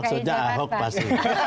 maksudnya ahok pasti